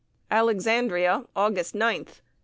] Alexandria, August 9th.